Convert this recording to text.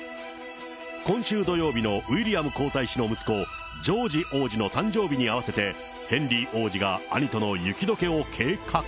今週土曜日のウィリアム皇太子の息子、ジョージ王子の誕生日に合わせて、ヘンリー王子が兄との雪どけを計画？